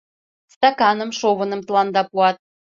Стаканым, шовыным тыланда пуат...